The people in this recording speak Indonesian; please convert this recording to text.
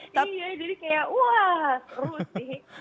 iya jadi kayak wah terus sih